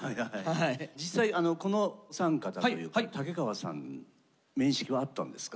実際このお三方というかタケカワさん面識はあったんですか？